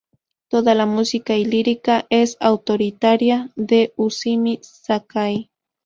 Toda la música y lírica es autoría de Izumi Sakai